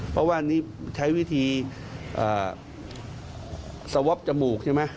เพราะว่าอันนี้ใช้วิธีเอ่อสว๊อปจมูกใช่ไหม